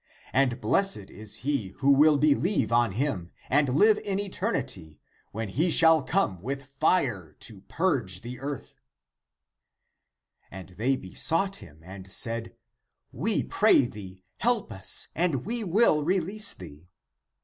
And blessed is he who will believe on him and live in eternity when he shall come with fire to purge the earth." And 2 Here endeth the Latin. ACTS OF PAUL 47 they besought him and said, " We pray thee, help us and we will release thee."